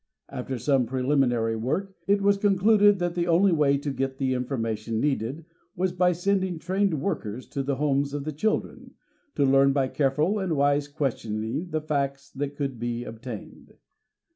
After some preliminary work, it was concluded that the only way to get the informa tion needed was by sending trained workers to the homes of the children, to learn by careful and wise questioning the facts that could be obtained.